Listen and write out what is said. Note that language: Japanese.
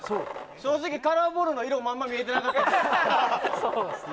正直、カラーボールの色あんまり見えてなかったです。